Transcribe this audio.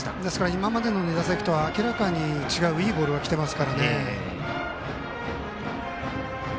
今までの２打席とは明らかに違ういいボールが来ています。